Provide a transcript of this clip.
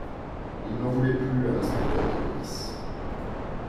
Il n’en voulait plus à l’inspecteur de police.